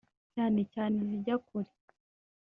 cyane cyane izijya kure (long-distance flights)